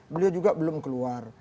beliau juga belum keluar